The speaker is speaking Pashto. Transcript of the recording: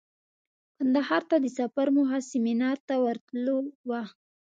کندهار ته د سفر موخه سمینار ته ورتلو وه.